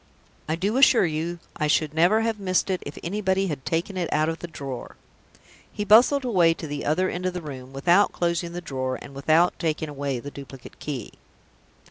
I do assure you I should never have missed it if anybody had taken it out of the drawer!" He bustled away to the other end of the room without closing the drawer, and without taking away the duplicate key.